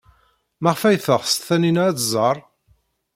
Maɣef ay teɣs Taninna ad tẓer?